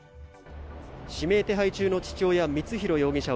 指名手配中の父親光弘容疑者